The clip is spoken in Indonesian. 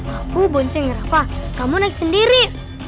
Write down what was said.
aku bonceng rafah kamu naik sendiri